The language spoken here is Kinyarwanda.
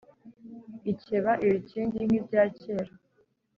ikeba ibikingi nk’ibya kera